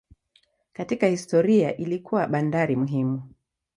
Katika historia ilikuwa bandari muhimu.